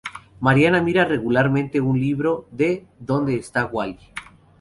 Mariana mira regularmente un libro de "¿Dónde está Wally?